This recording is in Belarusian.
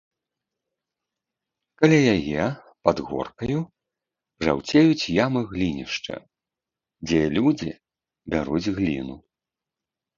Каля яе, пад горкаю, жаўцеюць ямы глінішча, дзе людзі бяруць гліну.